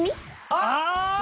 ああ！